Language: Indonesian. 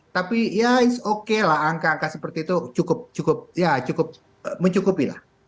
tapi ya it's okelah angka angka seperti itu cukup ya cukup mencukupilah